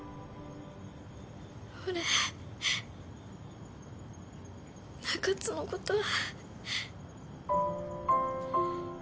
俺中津のことは。